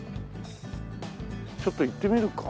ちょっと行ってみるか。